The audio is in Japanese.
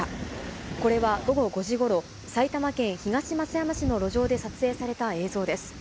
これは午後５時ごろ、埼玉県東松山市の路上で撮影された映像です。